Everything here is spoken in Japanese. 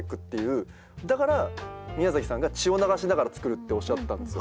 だから宮崎さんが「血を流しながら作る」っておっしゃったんですよ。